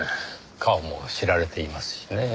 顔も知られていますしねぇ。